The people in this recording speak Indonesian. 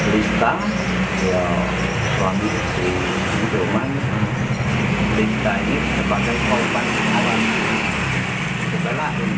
lista suami di tangerang beritahui sebagai korban awam